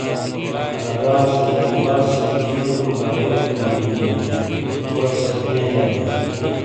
آلا ژا سو جانباز سے تو چونی موبائلیک گینی ہوں بین واٹس اپ نے یجاریوں